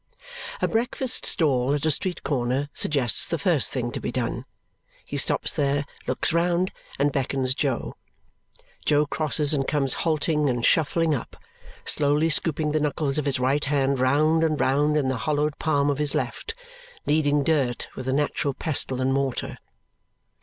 A breakfast stall at a street corner suggests the first thing to be done. He stops there, looks round, and beckons Jo. Jo crosses and comes halting and shuffling up, slowly scooping the knuckles of his right hand round and round in the hollowed palm of his left, kneading dirt with a natural pestle and mortar.